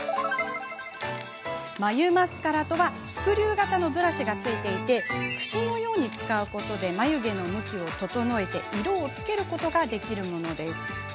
眉マスカラとはスクリュー型のブラシが付いていてクシのように使うことで眉毛の向きを整えて色をつけることができるもの。